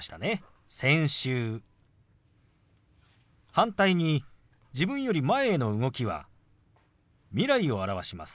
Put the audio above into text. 反対に自分より前への動きは未来を表します。